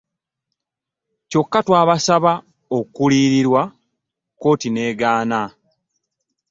Kyokka twabasaba okuliyirirwa kooti n'egaana.